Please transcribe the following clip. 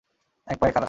এক পায়ে খাড়া!